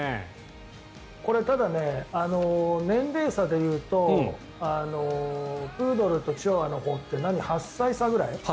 これ、ただ、年齢差でいうとプードルとチワワの差って８歳差くらい？